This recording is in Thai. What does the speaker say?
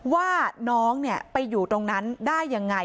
ว่าน้องไปอยู่ตรงนั้นได้ยังไง